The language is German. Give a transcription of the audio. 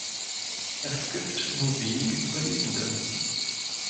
Es gibt nur wenige Überlebende.